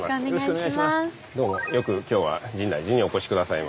どうもよく今日は深大寺にお越し下さいました。